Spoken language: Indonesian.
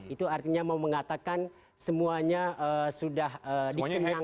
itu artinya mau mengatakan semuanya sudah dikenangkan